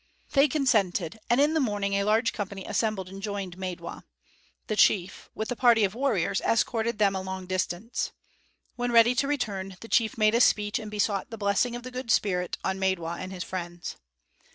They consented, and in the morning a large company assembled and joined Maidwa; and the chief, with a party of warriors, escorted them a long distance. When ready to return, the chief made a speech and besought the blessing of the Good Spirit on Maidwa and his friends.